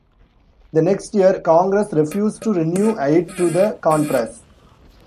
The next year, Congress refused to renew aid to the Contras.